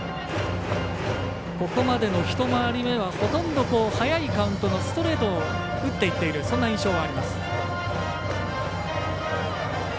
ここまでの１回り目は早いカウントのストレートを打っていっているそんな印象はあります。